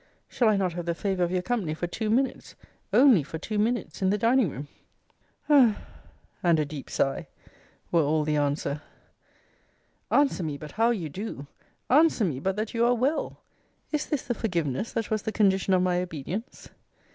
Shall I not have the favour of your company for two minutes [only for two minutes] in the dining room? Hem! and a deep sigh! were all the answer. Answer me but how you do! Answer me but that you are well! Is this the forgiveness that was the condition of my obedience?